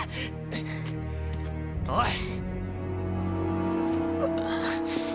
おい！